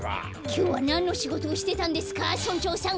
きょうはなんのしごとをしてたんですか村長さん。